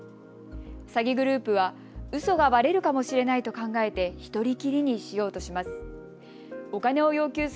詐欺グループはうそがばれるかもしれないと考えて１人きりにしようとします。